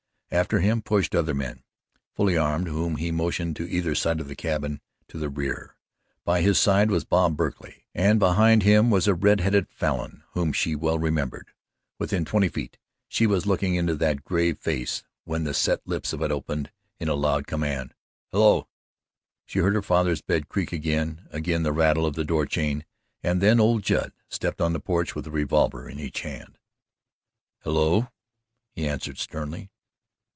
After him pushed other men fully armed whom he motioned to either side of the cabin to the rear. By his side was Bob Berkley, and behind him was a red headed Falin whom she well remembered. Within twenty feet, she was looking into that gray face, when the set lips of it opened in a loud command: "Hello!" She heard her father's bed creak again, again the rattle of the door chain, and then old Judd stepped on the porch with a revolver in each hand. "Hello!" he answered sternly.